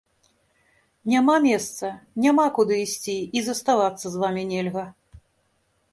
Няма месца, няма куды ісці і заставацца з вамі нельга.